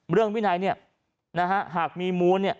วินัยเนี่ยนะฮะหากมีมูลเนี่ย